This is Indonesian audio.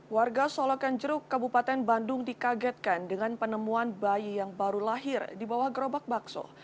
warga solokan jeruk kabupaten bandung dikagetkan dengan penemuan bayi yang baru lahir di bawah gerobak bakso